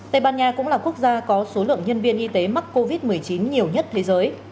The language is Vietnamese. tây ban nha cũng là quốc gia có số lượng nhân viên y tế mắc covid một mươi chín nhiều nhất thế giới